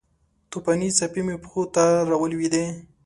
توپانې څپې مې پښو ته راولویدې